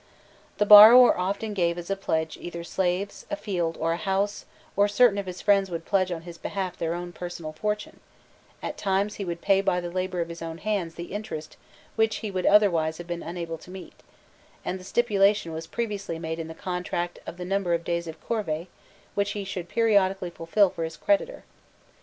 The borrower often gave as a pledge either slaves, a field, or a house, or certain of his friends would pledge on his behalf their own personal fortune; at times he would pay by the labour of his own hands the interest which he would otherwise have been unable to meet, and the stipulation was previously made in the contract of the number of days of corvee which he should periodically fulfil for his creditor.